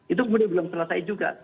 itu kemudian belum selesai juga